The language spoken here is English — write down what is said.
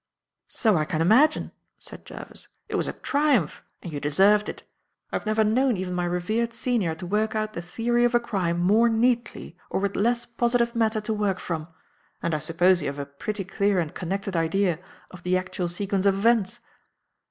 "So I can imagine," said Jervis. "It was a triumph; and you deserved it. I have never known even my revered senior to work out the theory of a crime more neatly or with less positive matter to work from. And I suppose you have a pretty clear and connected idea of the actual sequence of events."